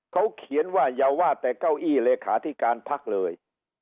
เขาเขียนว่าอย่าว่าแต่เก้าอี้เลขาธิการพักเลย